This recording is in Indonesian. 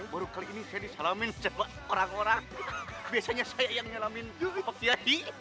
baru kali ini saya disalamin sebab orang orang biasanya saya yang nyalamin pak tia